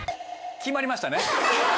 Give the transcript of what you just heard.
決まりましたね。